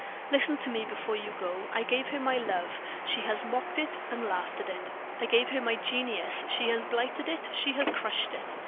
Listen to me before you go. I gave her my love she has mocked it, laughed at it. I gave her my genius she has blighted it, she has crushed it.